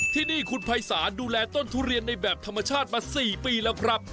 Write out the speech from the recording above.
ที่นี่คุณภัยศาลดูแลต้นทุเรียนในแบบธรรมชาติมา๔ปีแล้วครับ